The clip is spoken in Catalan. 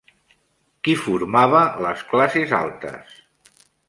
Qui formava les classes altes?